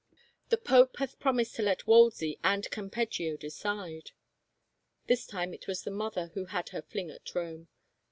" The pope hath promised to let Wolsey and Campeggio decide." This time it was the mother who had her fling at Rome.